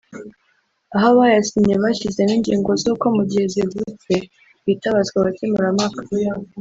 aho abayasinye bashyizemo ingingo z’uko mu gihe zivutse hitabazwa abakemurampaka